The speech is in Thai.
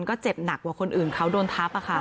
ก็เจ็บหนักกว่าคนอื่นเขาโดนทับค่ะ